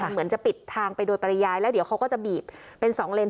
เหมือนจะปิดทางไปโดยปริยายแล้วเดี๋ยวเขาก็จะบีบเป็น๒เลน